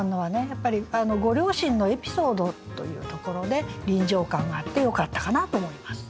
やっぱりご両親のエピソードというところで臨場感があってよかったかなと思います。